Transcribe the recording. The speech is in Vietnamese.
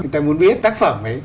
người ta muốn biết tác phẩm ấy